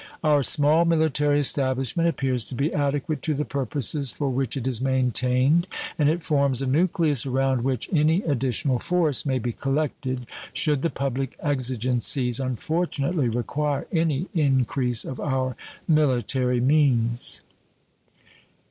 Our small military establishment appears to be adequate to the purposes for which it is maintained, and it forms a nucleus around which any additional force may be collected should the public exigencies unfortunately require any increase of our military means.